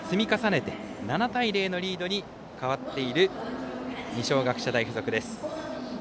その後、得点を積み重ねて７対０のリードに変わっている二松学舎大付属です。